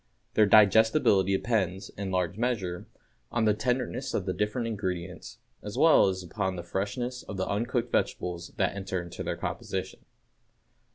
Their digestibility depends, in large measure, on the tenderness of the different ingredients, as well as upon the freshness of the uncooked vegetables that enter into their composition.